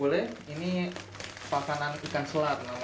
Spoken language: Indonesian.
boleh ini makanan ikan selat